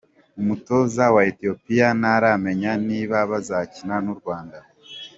Umutoza wa Ethiopia ntaramenya niba bazakina n’u Rwanda.